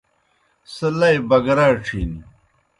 سہ لئی بَگرَاڇِھن۔